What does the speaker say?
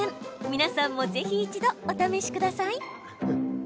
皆さんもぜひ一度お試しください。